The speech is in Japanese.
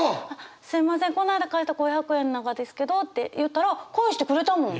「すみませんこないだ貸した５００円ながですけど」って言ったら返してくれたもん。